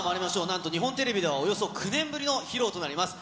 なんと日本テレビではおよそ９年ぶりの披露となります。